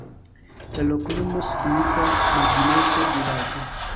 La loknomo signifas: knabineto-vilaĝo.